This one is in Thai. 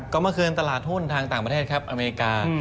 ก็เมื่อคืนตลาดหุ้นทางต่างประเทศครับอเมริกา